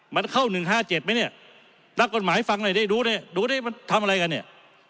มันเข้า๑๕๗ไหมเนี่ยนักกฎหมายฟังหน่อยดิดูดิดูดิมันทำอะไรกันเนี่ย